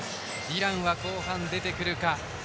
イランは後半出てくるか。